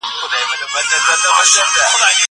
زه به سبا انځور وګورم!